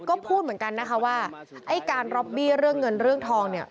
ก็พูดเหมือนกันนะคะว่าไอ้การล็อบบี้เรื่องเงินเรื่องทองเนี่ย